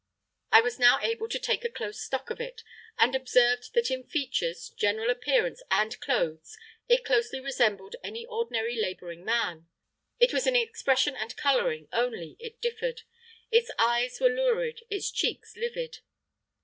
I was now able to take a close stock of it, and observed that in features, general appearance, and clothes it closely resembled any ordinary labouring man; it was in expression and colouring, only it differed its eyes were lurid, its cheeks livid.